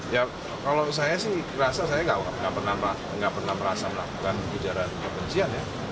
ya kalau saya sih rasa saya nggak pernah merasa melakukan ujaran kebencian ya